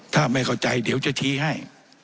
ถ้าไม่เข้าใจเดี๋ยวจะชี้ให้